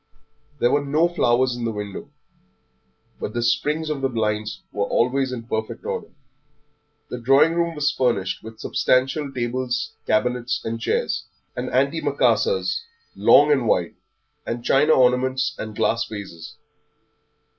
There were no flowers in the windows, but the springs of the blinds were always in perfect order. The drawing room was furnished with substantial tables, cabinets and chairs, and antimacassars, long and wide, and china ornaments and glass vases.